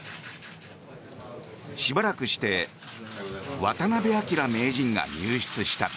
しばらくして渡辺明名人が入室した。